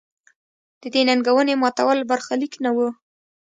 د دې ننګونې ماتول برخلیک نه و.